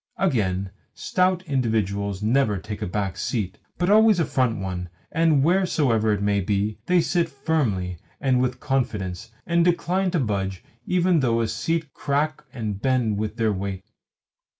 Again, stout individuals never take a back seat, but always a front one, and, wheresoever it be, they sit firmly, and with confidence, and decline to budge even though the seat crack and bend with their weight.